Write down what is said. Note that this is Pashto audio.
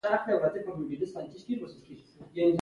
د دې پر ځای چې بریا ونمانځل شي بریا وغندل شوه.